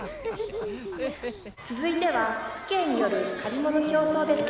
「続いては父兄による借り物競争です。